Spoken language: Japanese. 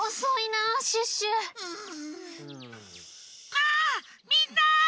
あみんな！